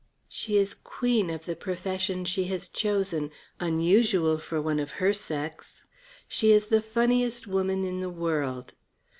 She is queen of the profession she has chosen unusual for one of her sex. She is the funniest woman in the world.